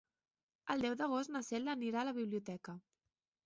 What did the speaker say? El deu d'agost na Cel anirà a la biblioteca.